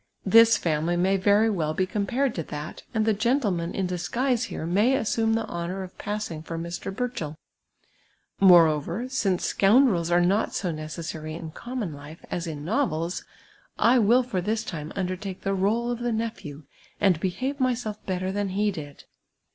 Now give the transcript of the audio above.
This fjimily may very well be compared to that, and the <j^entleman in disguise here may assume the honour of passin«jj for Mr. liurchell ; moreover, since scoundrels are not so necessiiiy in common life as in novels, I will for tliis time undertake the role of the nephew, and behave myself iK'tter than he did.'